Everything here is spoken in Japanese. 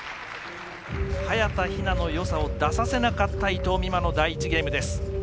早田ひなのよさを出させなかった、伊藤美誠の第１ゲームです。